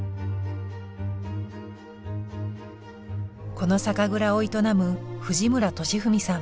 この酒蔵を営む藤村俊文さん。